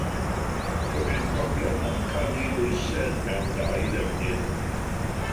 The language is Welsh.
Cyfyd problem amcanu dwysedd mewn dau ddefnydd.